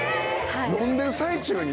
飲んでる最中に？